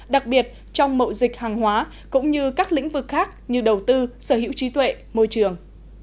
đặc biệt trong mậu dịch hàng hóa cũng như các lĩnh vực khác như đầu tư sở hữu trí tuệ môi trường